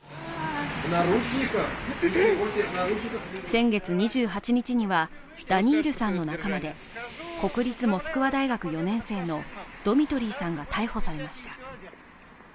先月２８日には、ダニールさんの仲間で国立モスクワ大学４年生のドミトリーさんが逮捕されました。